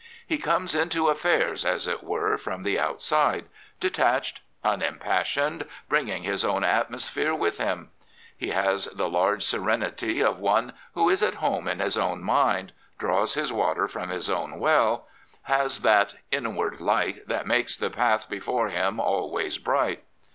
He comes into affairs, as it were, from the outside, detached, unimpassioned, bringing his own atmosphere with him. He has the large 73 Prophets, Priests, and Kings serenity of one who is at home in his own mind, draws his water from his own well, has that ... inward light That makes the path before him always bright.